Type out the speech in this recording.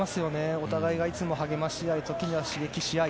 お互いがいつも励まし合い時には刺激し合い。